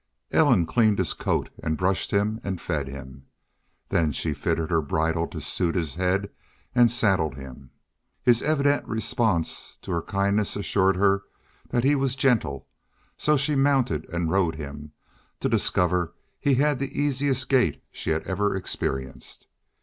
Ellen cleaned his coat and brushed him and fed him. Then she fitted her bridle to suit his head and saddled him. His evident response to her kindness assured her that he was gentle, so she mounted and rode him, to discover he had the easiest gait she had ever experienced.